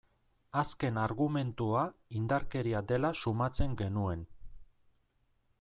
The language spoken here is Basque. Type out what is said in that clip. Azken argumentua indarkeria dela susmatzen genuen.